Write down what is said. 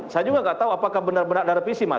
saya juga nggak tahu apakah benar benar ada revisi mas